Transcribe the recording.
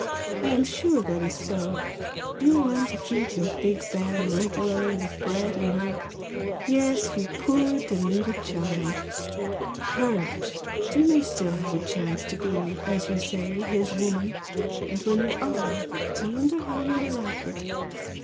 I am sure that is so! You want to feed your big bear regularly with bread and milk yes, you poor deluded child! Courage! You may still have a chance to be, as you say, 'his woman!' And when you are I wonder how you will like it!"